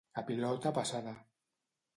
A pilota passada.